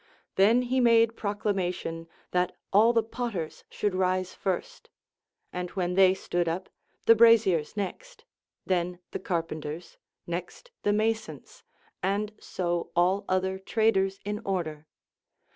Then he made j^i'oclama tion that all the potters should rise first ; and when they stood up, the braziers next ; then the carpenters, next the masons, and so all other traders in order.